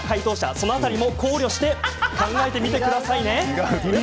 その辺りも考慮して考えてみてくださいね。